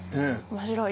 面白い。